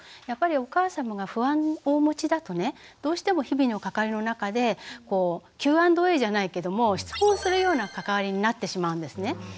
やっぱりお母様が不安をお持ちだとねどうしても日々の関わりの中でＱ＆Ａじゃないけども質問するような関わりになってしまうんですね。